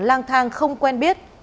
thang thang không quen biết